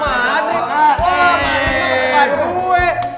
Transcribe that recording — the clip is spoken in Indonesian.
wah nadif tuh menangkan gue